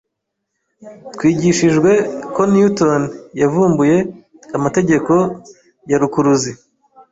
Twigishijwe ko Newton yavumbuye amategeko ya rukuruzi.